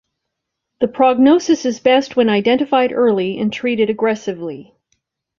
The prognosis is best when identified early and treated aggressively.